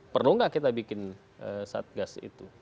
perlu nggak kita bikin satgas itu